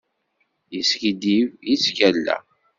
Yeskiddib, yettgalla.